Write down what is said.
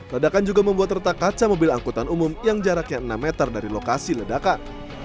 ledakan juga membuat retak kaca mobil angkutan umum yang jaraknya enam meter dari lokasi ledakan